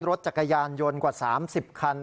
รถจักรยานยนต์กว่า๓๐คัน